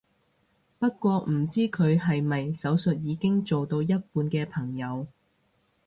不過唔知佢係咪手術已經做到一半嘅朋友